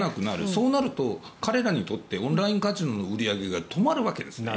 そうなると彼らにとってはオンラインカジノの売り上げが止まるわけです。